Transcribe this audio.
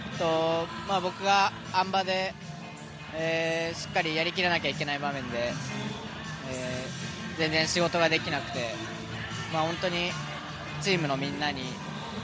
僕があん馬でしっかりやりきらなきゃいけない場面で全然仕事ができなくて本当に、チームのみんなに。